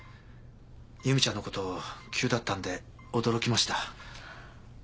由美ちゃんのこと急だったんで驚きました。